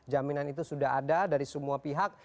jaminan itu sudah ada dari semua pihak